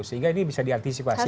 sehingga ini bisa diantisipasi